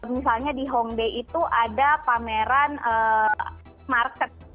misalnya di hongdae itu ada pameran market